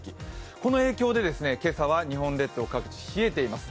この影響で今朝は日本列島各地冷えています。